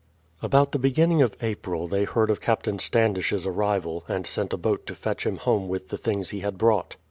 About the beginning of April they heard of Captain Standish's arrival, and sent a boat to fetch him home with the things he had brought.